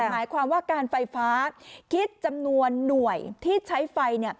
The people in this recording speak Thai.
หมายความว่าการไฟฟ้าคิดจำนวนหน่วยที่ใช้ไฟ